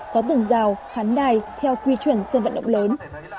có tường rào khán đài theo quy chuẩn sân vận động lớn